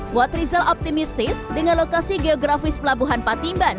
fuad rizal optimistis dengan lokasi geografis pelabuhan patimban